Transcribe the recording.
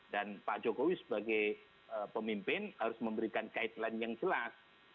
dan pak jokowi sebagai pemimpin harus memberikan kaitan yang jelas